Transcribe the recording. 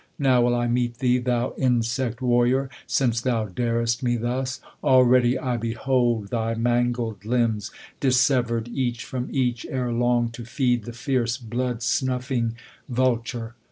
Now will I meet thee. Thou insect warrior ! since thou dar'st me thus ! Already I behold thy mangled limbs, Dissever'd each from each, ere long to feed The fierce, blood snuffing vulture.